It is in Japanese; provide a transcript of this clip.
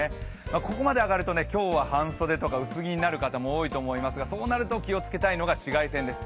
ここまで上がると、今日は半袖とか薄着になる方も多いと思いますが、そうなると気をつけたいのが紫外線です。